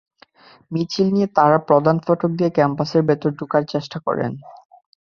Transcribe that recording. মিছিল নিয়ে তাঁরা প্রধান ফটক দিয়ে ক্যাম্পাসের ভেতরে ঢোকার চেষ্টা করেন।